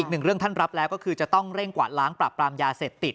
อีกหนึ่งเรื่องท่านรับแล้วก็คือจะต้องเร่งกวาดล้างปรับปรามยาเสพติด